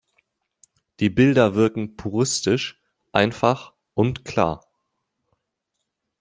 Die Bilder wirken puristisch, einfach und klar.